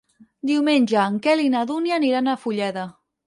Diumenge en Quel i na Dúnia aniran a Fulleda.